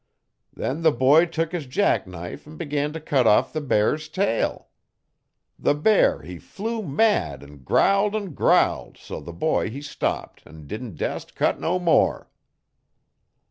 Then the boy tuk his jack knife 'n begun t' cut off the bear's tail. The bear he flew mad 'n growled 'n growled so the boy he stopped 'n didn't dast cut no more.